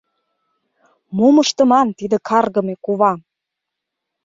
Мом ыштыман тиде каргыме кувам?